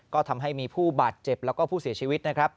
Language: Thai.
ก็ทำให้มีผู้บาดเจ็บแล้วก็ผู้เสียชีวิตนะครับ